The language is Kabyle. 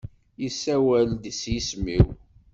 Yessawel-d s yisem-iw.